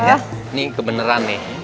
ini kebeneran nih